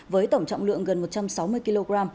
với tổng trọng lượng gần một trăm sáu mươi kg